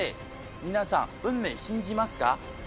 皆さん運命信じますか？